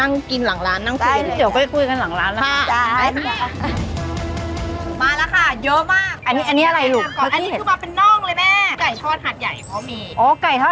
อันนี้รถราบนะคะอันนี้เครื่องในแล้วก็อันนี้ไก่แซ้บขาดเป็นขีดคือขีดละ๓๐บาท